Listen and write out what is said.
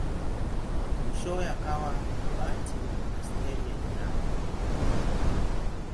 Mwishowe akawa abati wa monasteri ya jirani.